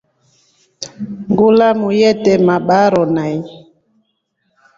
Ngulamu yete mabaaro nai.